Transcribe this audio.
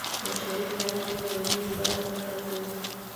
بشري تاریخ یې له ویرې برخه نه ګرځوي.